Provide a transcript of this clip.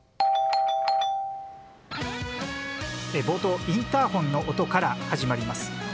冒頭、インターホンの音から始まります。